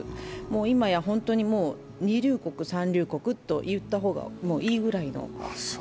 今や本当に二流国、三流国と言った方がいいくらいの。